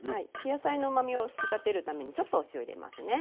野菜のうまみを引き立てるためにちょっとお塩入れますね。